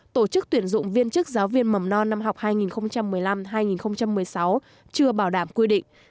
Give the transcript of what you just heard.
tổ chức tuyển dụng viên chức giáo viên mầm non năm học hai nghìn một mươi năm hai nghìn một mươi sáu chưa bảo đảm quy định